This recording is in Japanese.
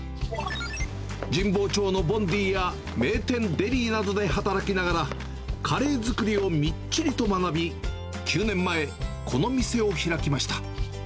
神保町のボンディや、名店デリーなどで働きながら、カレー作りをみっちりと学び、９年前、この店を開きました。